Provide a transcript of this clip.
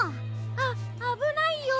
ああぶないよ。